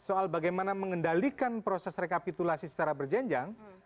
soal bagaimana mengendalikan proses rekapitulasi secara berjenjang